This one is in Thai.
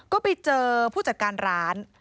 ก็ไปเจอผู้จัดการร้าน